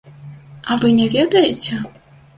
А вы не ведаеце?!